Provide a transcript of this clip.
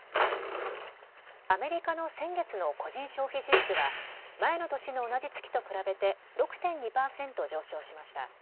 アメリカの先月の個人消費支出は前の年の同じ月と比べて６．２％上昇しました。